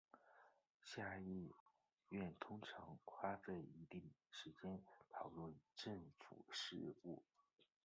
下议院通常花费一定时间讨论政府事务。